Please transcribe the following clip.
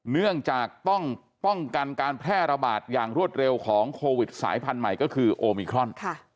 เนื่องจากต้องป้องกันการแพร่ระบาดอย่างรวดเร็วของโควิดสายพันธุ์ใหม่ก็คือโอมิครอน